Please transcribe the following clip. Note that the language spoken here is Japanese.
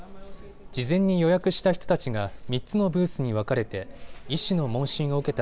事前に予約した人たちが３つのブースに分かれて医師の問診を受けた